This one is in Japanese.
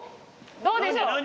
どうでしょう？